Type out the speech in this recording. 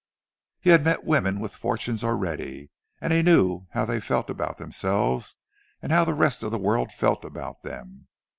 He had met women with fortunes already, and he knew how they felt about themselves, and how the rest of the world felt about them.